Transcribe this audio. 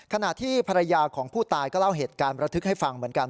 ขณะที่ภรรยาของผู้ตายก็เล่าเหตุการณ์ประทึกให้ฟังเหมือนกัน